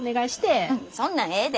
そんなんええで。